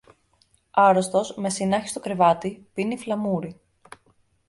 Άρρωστος με συνάχι στο κρεβάτι, πίνει φλαμούρι